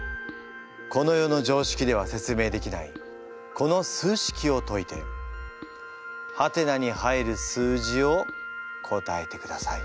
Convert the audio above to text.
この世のじょうしきでは説明できないこの数式をといて「？」に入る数字を答えてください。